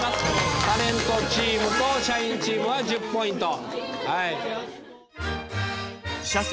タレントチームと社員チームは１０ポイント。